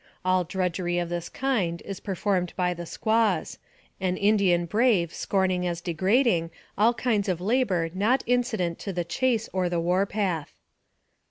All drudgery of this kind is per formed by the squaws, an Indian brave scorning as degrading all kinds of labor not incident to the chase or the war path.